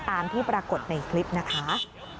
ตามที่ปรากฏในคลิปนะคะ